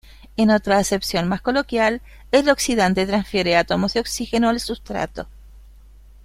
En otra acepción más coloquial, el oxidante transfiere átomos de oxígeno al sustrato.